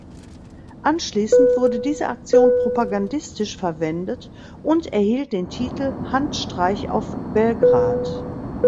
Anschließend wurde diese Aktion propagandistisch verwendet und erhielt den Titel "Handstreich auf Belgrad".